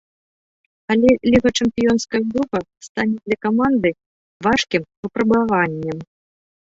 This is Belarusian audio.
Але лігачэмпіёнская група стане для каманды важкім выпрабаваннем.